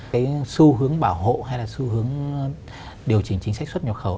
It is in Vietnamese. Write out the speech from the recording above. cái xu hướng bảo hộ hay là xu hướng điều chỉnh chính sách xuất nhập khẩu